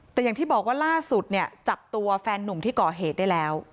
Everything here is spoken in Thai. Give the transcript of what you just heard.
แต่อย่างที่บอกว่าล่าสุดเนี่ยจับตัวแฟนนุ่มที่ก่อเหตุได้แล้ว